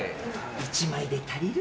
１枚で足りる？